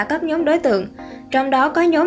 các nhóm đối tượng trong đó có nhóm